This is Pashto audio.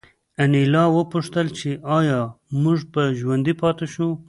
انیلا وپوښتل چې ایا موږ به ژوندي پاتې شو